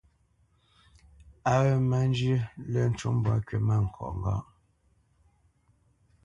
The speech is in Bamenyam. Á wé má njyə̄, lə́ ncú mbwǎ ŋgywâ kywítmâŋkɔʼ ŋgâʼ.